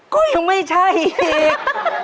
ก็ยังไม่ใช่อีก